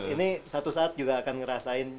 ini satu saat juga akan ngerasain